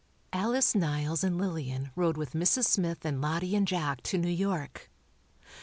Alice Niles and Lillian rode with Mrs. Smith and Lottie and Jack to New York.